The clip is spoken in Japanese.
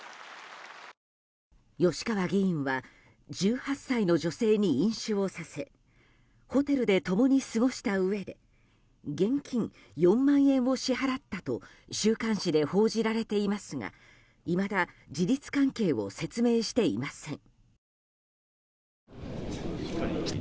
吉川議員は１８歳の女性に飲酒をさせホテルで共に過ごしたうえで現金４万円を支払ったと週刊誌で報じられていますがいまだ事実関係を説明していません。